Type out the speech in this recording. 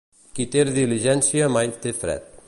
Qui té diligència mai té fred.